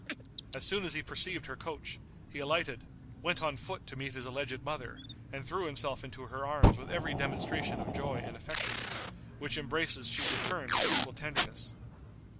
As soon as he perceived her coach, he alighted, went on foot to meet his alleged mother, and threw himself into her arms with every demonstration of joy and affection, which embraces she returned with equal tenderness.